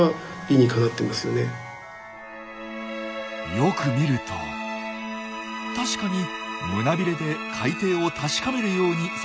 よく見ると確かに胸ビレで海底を確かめるように触っています。